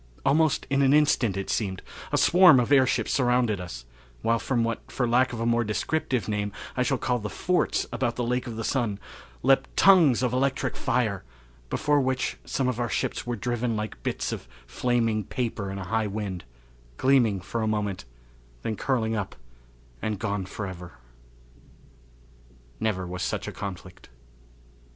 Almost in an instant, it seemed, a swarm of airships surrounded us, while from what, for lack of a more descriptive name, I shall call the forts about the Lake of the Sun, leaped tongues of electric fire, before which some of our ships were driven like bits of flaming paper in a high wind, gleaming for a moment, then curling up and gone forever! Never Was Such a Conflict.